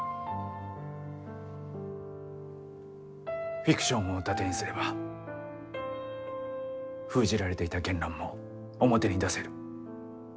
フィクションを盾にすれば封じられていた言論も表に出せる。